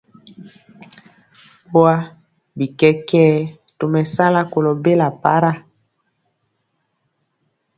Boa bi kɛkɛɛ tomesala kolo bela para.